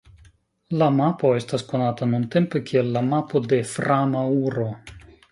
La mapo estas konata nuntempe kiel la "Mapo de Fra Mauro".